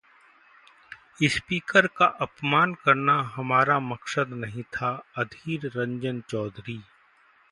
speaker का अपमान करना हमारा मकसद नहीं था- अधीर रंजन चौधरी